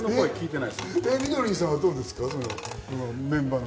みどりんさんはどうですか？